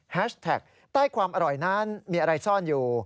แท็กใต้ความอร่อยนั้นมีอะไรซ่อนอยู่